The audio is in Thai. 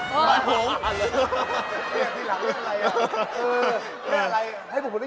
ทีหลังไม่ได้อะไรไม่อะไร